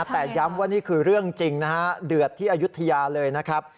แต่ย้ำว่านี่คือเรื่องจริงนะฮะเดือดที่อายุทยาเลยนะครับ